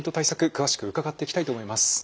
詳しく伺っていきたいと思います。